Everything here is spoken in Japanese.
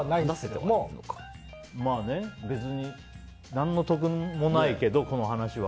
何の得もないけど、この話は。